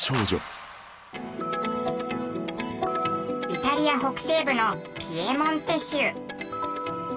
イタリア北西部のピエモンテ州。